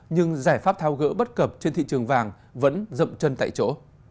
nhưng giải pháp thao gỡ bất cập trên thị trường vàng vẫn rậm chân tại chỗ